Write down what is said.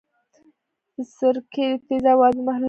د سرکې د تیزابو آبي محلول اړین دی.